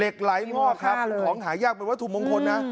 หลายงอกครับของหายากเป็นวัตถุมงคลนะ